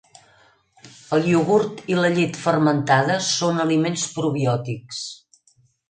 El iogurt i la llet fermentada són aliments probiòtics.